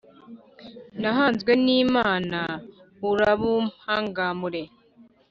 Nahanzwe n’Imana urabumpangamure .